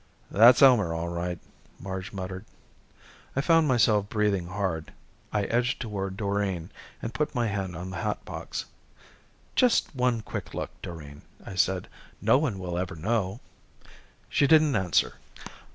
"That's Elmer, all right," Marge muttered. I found myself breathing hard. I edged toward Doreen and put my hand on the hatbox. "Just one quick look, Doreen," I said. "No one will ever know." She didn't answer.